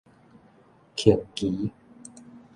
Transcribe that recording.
虹旗